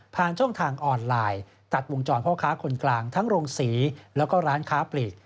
ช่องทางออนไลน์ตัดวงจรพ่อค้าคนกลางทั้งโรงศรีแล้วก็ร้านค้าปลีก